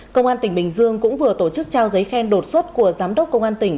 công an tỉnh bình dương cũng vừa tổ chức trao giấy khen đột xuất của giám đốc công an tỉnh